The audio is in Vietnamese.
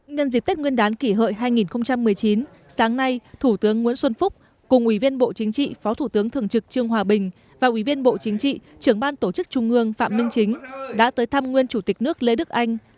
nhân dịp tết nguyên đán kỷ hợi hai nghìn một mươi chín sáng nay thủ tướng nguyễn xuân phúc cùng ủy viên bộ chính trị phó thủ tướng thường trực trương hòa bình và ủy viên bộ chính trị trưởng ban tổ chức trung ương phạm minh chính đã tới thăm nguyên chủ tịch nước lê đức anh